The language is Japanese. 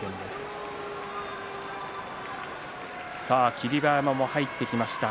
霧馬山も入ってきました。